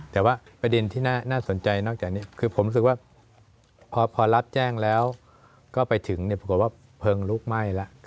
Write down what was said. แต่ว่าประเด็นที่น่าสนใจนอกจากนี้คือผมรู้สึกว่าพอรับแจ้งแล้วก็ไปถึงปรากฏว่าเพลิงลุกไหม้แล้ว